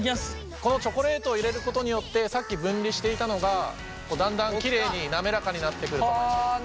このチョコレートを入れることによってさっき分離していたのがだんだんきれいに滑らかになってくると思います。